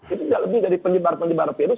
itu tidak lebih dari penyebar penyebar virus